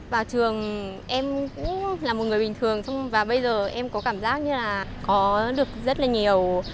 vào trường em cũng là một người bình thường và bây giờ em có cảm giác như là có được rất là nhiều